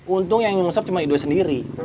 untung yang nyungsep cuma idoy sendiri